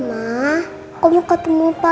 mah kamu ketemu lagi ya